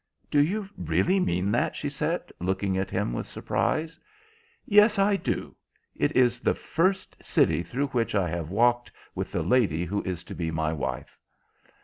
"Do you really mean that?" she said, looking at him with surprise. "Yes, I do. It is the first city through which I have walked with the lady who is to be my wife."